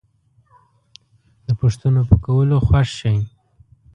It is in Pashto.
د پوښتنو په کولو خوښ شئ